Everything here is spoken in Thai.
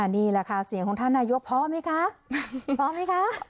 นี่แหละค่ะเสียงของท่านนายุ๊กพอไหมคะ